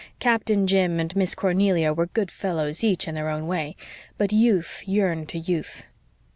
Captain Jim and Miss Cornelia were "good fellows" each, in their own way; but youth yearned to youth.